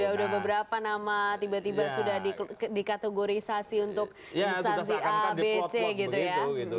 ya udah beberapa nama tiba tiba sudah dikategorisasi untuk instansi a b c gitu ya